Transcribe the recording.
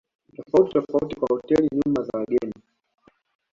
tofauti tofauti kama hoteli nyumba za wageni